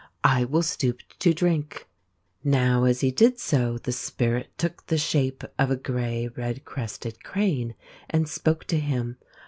I will stoop to drink." Now as he did so the Spirit took the shape of a grey red crested crane, and spoke to him.